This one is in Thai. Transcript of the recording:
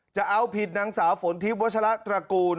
จะเอาผิดนางสาวฝนทิพย์วัชละตระกูล